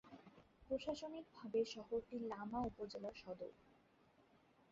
প্রশাসনিকভাবে শহরটি লামা উপজেলার সদর।